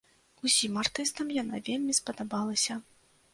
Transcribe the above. Усім артыстам яна вельмі спадабалася.